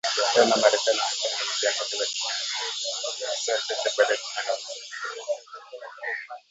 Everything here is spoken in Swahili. Japan na Marekani wamefanya mazoezi ya ndege za kijeshi saa chache baada ya China na Urusi